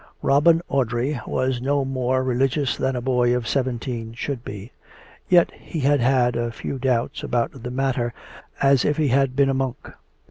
Robin Audrey was no more religious than a boy of seventeen should be. Yet he had had as few doubts about the matter as if he had been a monk.